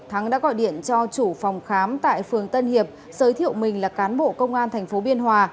thắng đã gọi điện cho chủ phòng khám tại phường tân hiệp giới thiệu mình là cán bộ công an tp biên hòa